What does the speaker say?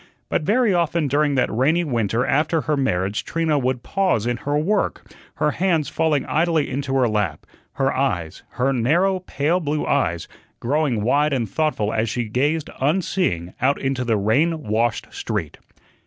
But very often during that rainy winter after her marriage Trina would pause in her work, her hands falling idly into her lap, her eyes her narrow, pale blue eyes growing wide and thoughtful as she gazed, unseeing, out into the rain washed street.